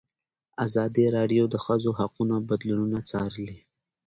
ازادي راډیو د د ښځو حقونه بدلونونه څارلي.